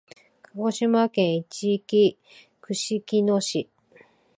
鹿児島県いちき串木野市